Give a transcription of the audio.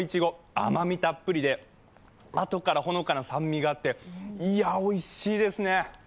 甘みたっぷりで、あとからほのかな酸味があっていや、おいしいですね。